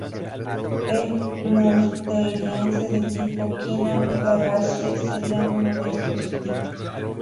El Musteriense de tipo Quina-Ferrassie seria uno de esos tipos.